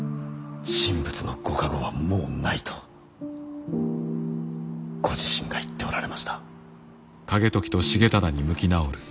神仏のご加護はもうないとご自身が言っておられました。